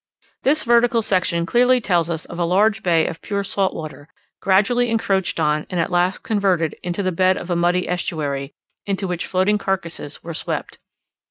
This vertical section clearly tells us of a large bay of pure salt water, gradually encroached on, and at last converted into the bed of a muddy estuary, into which floating carcasses were swept.